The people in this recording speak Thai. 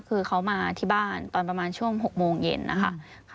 คือเขามาที่บ้านตอนประมาณช่วง๖โมงเย็นนะคะ